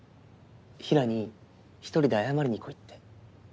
平良に一人で謝りに来いって。